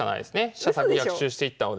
飛車先逆襲していったので。